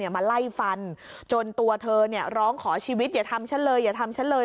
มาไล่ฟันจนตัวเธอร้องขอชีวิตอย่าทำฉันเลยอย่าทำฉันเลย